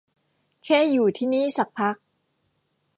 แค่อยู่ที่นี่สักพัก